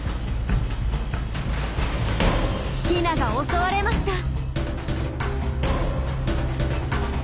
ヒナが襲われました。